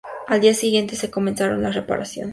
Al día siguiente se comenzaron las reparaciones.